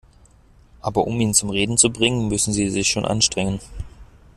Aber um ihn zum Reden zu bringen, müssen Sie sich schon anstrengen.